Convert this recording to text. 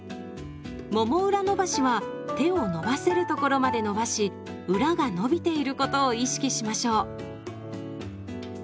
もも裏伸ばしは手を伸ばせるところまで伸ばし裏が伸びていることを意識しましょう。